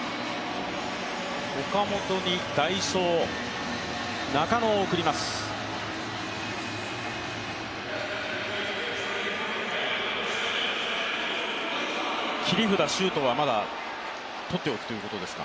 岡本に代走、中野を送ります切り札、周東はまだとっておくということですか？